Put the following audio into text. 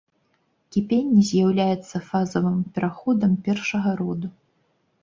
Кіпенне з'яўляецца фазавых пераходам першага роду.